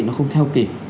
nó không theo kịp